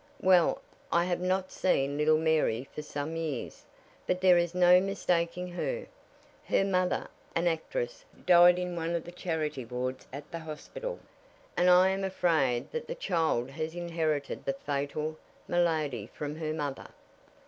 "Well, I have not seen little Mary for some years, but there is no mistaking her. Her mother, an actress, died in one of the charity wards of the hospital, and I am afraid the child has inherited the fatal malady from her mother.